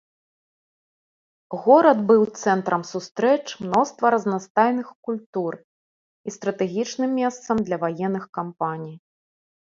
Горад быў цэнтрам сустрэч мноства разнастайных культур і стратэгічным месцам для ваенных кампаній.